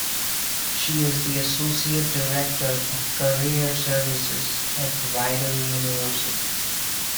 She is the Associate Director of Career Services at Rider University.